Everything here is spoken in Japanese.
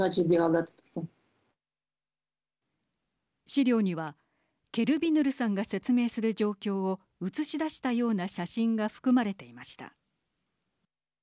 資料にはケルビヌルさんが説明する状況を写し出したような写真が含まれていました。